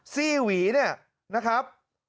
ซี่หวีเนี่ยนะครับ